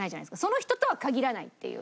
その人とは限らないっていう。